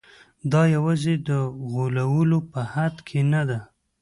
دا یوازې د غولولو په حد کې نه ده.